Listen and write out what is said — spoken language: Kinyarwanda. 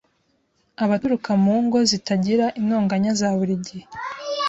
abaturuka mu ngo zitagira intonganya za buri gihe